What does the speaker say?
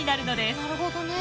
なるほどね。